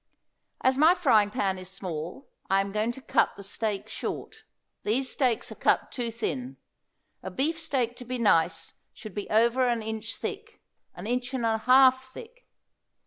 As my frying pan is small I am going to cut the steak short. These steaks are cut too thin. A beefsteak to be nice should be over an inch thick an inch and a half thick.